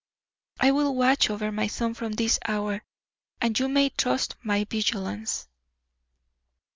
I will watch over my son from this hour, and you may trust my vigilance."